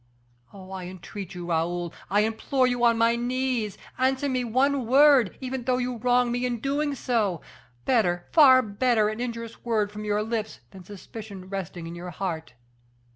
Oh! I entreat you, Raoul I implore you on my knees answer me one word, even though you wrong me in doing so. Better, far better, an injurious word from your lips, than suspicion resting in your heart."